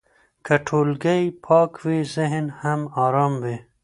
که ټولګی پاک وي، ذهن هم ارام وي.